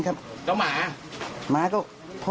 ขาดสติเลยครับ